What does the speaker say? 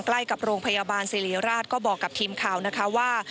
ใกล้กับโรงพยาบาลสิริราชก็บอกกับทีมข่าวนะคะว่า